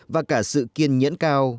và cả sự kiên nhẫn cao